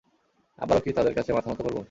আবারও কি তাদের কাছে মাথা নত করব?